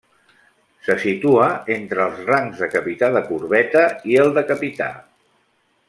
Se situa entre els rangs de Capità de corbeta i el de Capità.